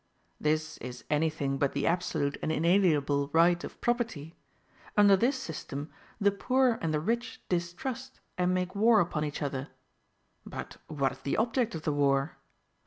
This is any thing but the absolute and inalienable right of property. Under this system the poor and the rich distrust, and make war upon, each other. But what is the object of the war?